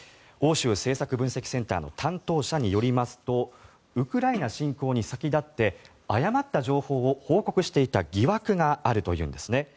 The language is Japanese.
欧州政策分析センターの担当者によりますとウクライナ侵攻に先立って誤った情報を報告していた疑惑があるというんですね。